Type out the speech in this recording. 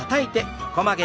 横曲げ。